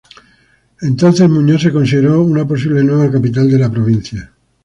Entonces Muñoz se consideró una posible nueva capital de la provincia.